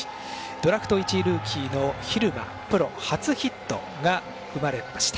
ドラフト１位ルーキーの蛭間プロ初ヒットが生まれました。